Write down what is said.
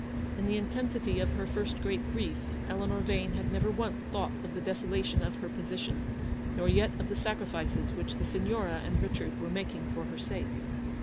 In the intensity of her first great grief, Eleanor Vane had never once thought of the desolation of her position, nor yet of the sacrifices which the Signora and Richard were making for her sake.